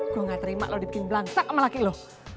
gue gak terima lu dibikin belangsang sama laki lu